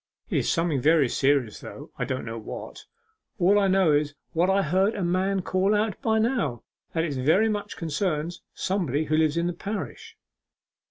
'It is something very serious, though I don't know what. All I know is what I heard a man call out bynow that it very much concerns somebody who lives in the parish.